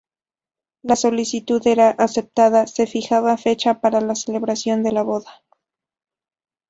Si la solicitud era aceptada, se fijaba fecha para la celebración de la boda.